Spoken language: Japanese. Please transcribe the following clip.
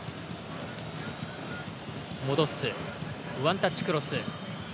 ワンタッチクロス。